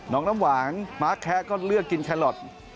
น้ำหวานม้าแคะก็เลือกกินแคลอท